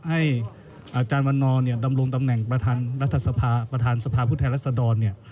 อาจารย์วันนอร์เนี่ยดำรงตำแหน่งประธานรัฐสภาประธานสภาผู้แทนรัศดรเนี่ย